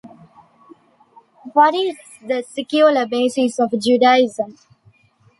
What is the secular basis of Judaism?